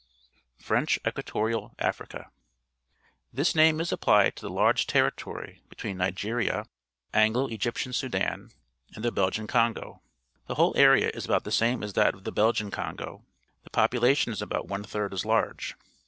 '.^ FRENCH EQUATORIAL AFRICA ^^'''■^^ This name is applied to the large territory between Nigeria, the Anglo Egj ptian Sudan, and the Belgian Congo. The whole area is about the same as that of the Belgian Con go; the population is about one third as large.